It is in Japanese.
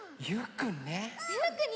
ゆうくんね。